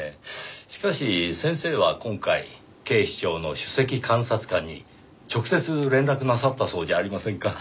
しかし先生は今回警視庁の首席監察官に直接連絡なさったそうじゃありませんか。